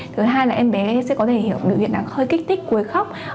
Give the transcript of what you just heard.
thứ hai là em bé sẽ có thể hiểu được biện đẳng hơi kích tích quấy khóc